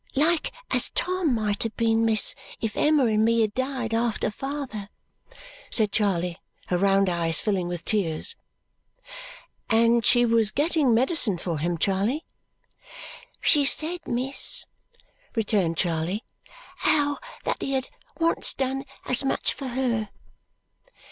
"Like as Tom might have been, miss, if Emma and me had died after father," said Charley, her round eyes filling with tears. "And she was getting medicine for him, Charley?" "She said, miss," returned Charley, "how that he had once done as much for her."